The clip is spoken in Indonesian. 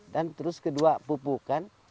dan terus kedua pupuk kan